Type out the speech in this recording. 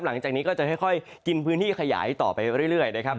หลังจากนี้ก็จะค่อยกินพื้นที่ขยายต่อไปเรื่อยนะครับ